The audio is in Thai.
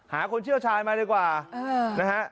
คนเชี่ยวชาญมาดีกว่านะฮะ